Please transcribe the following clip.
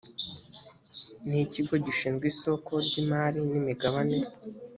n ikigo gishinzwe isoko ry imari n imigabane